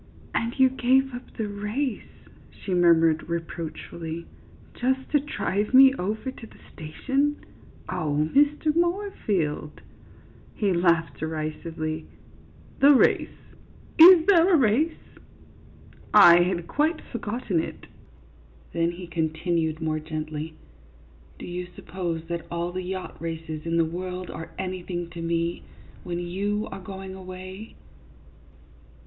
" And you gave up the race," she murmured, re proachfully, " just to drive me over to the station ? Oh, Mr. Moorfield !" He laughed derisively. "The race! Is there a race ? I had quite for gotten it." Then he continued more gently, " Do you suppose that all the yacht races in the world are anything to me, when you are going away